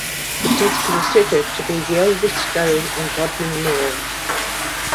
It is considered to be the oldest stone on Bodmin Moor.